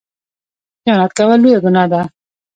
خیانت کول لویه ګناه ده